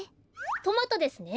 トマトですね。